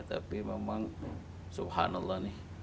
tapi memang subhanallah nih